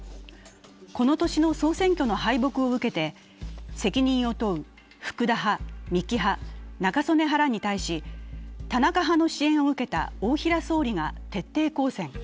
この年の総選挙の敗北を受けて、責任を問う福田派、三木派、中曽根派らに対し田中派の支援を受けた大平総理が徹底抗戦。